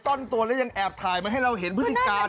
ซ่อนตัวและยังแตดอย่างให้เราเห็นพฤติการ